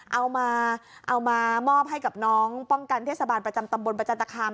เอามาเอามามอบให้กับน้องป้องกันเทศบาลประจำตำบลประจันตคาม